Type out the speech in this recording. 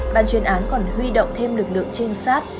ban chuyên án còn huy động thêm lực lượng trinh sát